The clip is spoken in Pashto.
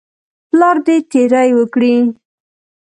پلار دې تیری وکړي.